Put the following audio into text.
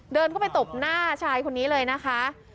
เดินเข้าไปตบหน้าชายคนนี้เลยนะคะ